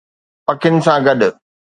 پکين سان گڏ